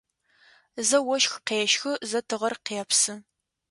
Зэ ощх къещхы, зэ тыгъэр къепсы.